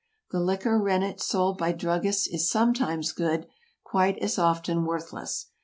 The liquor rennet sold by druggists is sometimes good, quite as often worthless.